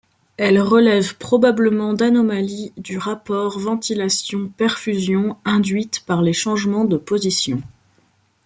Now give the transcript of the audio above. Elle relève probablement d'anomalies du rapport ventilation perfusion induites par les changements de position.